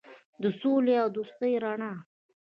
د سولې او دوستۍ رڼا.